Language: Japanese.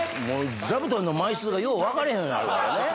座布団の枚数がよう分かれへんようになるからね。